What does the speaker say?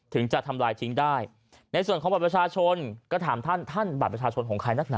ถึงจะทำลายทิ้งได้ในส่วนของบัตรประชาชนก็ถามท่านท่านบัตรประชาชนของใครนักหนา